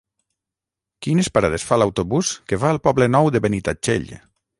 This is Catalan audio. Quines parades fa l'autobús que va al Poble Nou de Benitatxell?